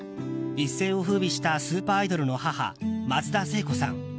一世を風靡したスーパーアイドルの母松田聖子さん。